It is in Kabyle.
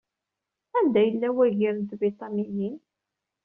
Anda yella wagir n tbiṭaminin.